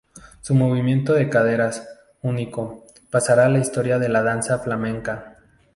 Su movimiento de caderas, único, pasará a la historia de la danza flamenca.